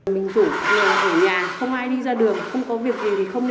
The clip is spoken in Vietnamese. mình chủ nhà không ai đi ra đường không có việc gì thì không nên đi